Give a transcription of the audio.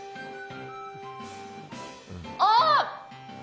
ああ！